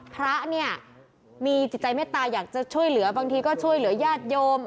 พระเนี่ยมีจิตใจเมตตาอยากจะช่วยเหลือบางทีก็ช่วยเหลือญาติโยม